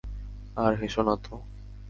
আরে, হেসো না তো!